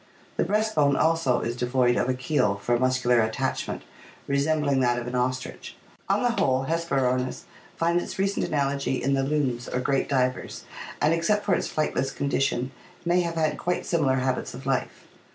The breast bone also is devoid of a keel for muscular attachment, resembling that of an ostrich. On the whole, Hesperornis finds its recent anal ogy in the loons or great divers, and except for its flightless condi tion may have had quite similar habits of life.